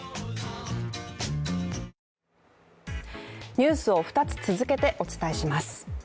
ニュースを２つ続けてお伝えします。